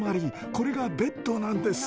これがベッドなんです。